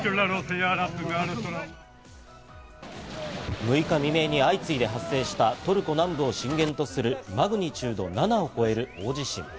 ６日未明に相次いで発生したトルコ南部を震源とするマグニチュード７を超える大地震。